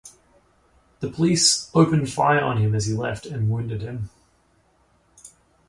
The police opened fire on him as he left and wounded him.